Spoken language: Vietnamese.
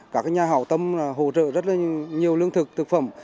các nhà hảo tâm hỗ trợ rất nhiều lương thực thực phẩm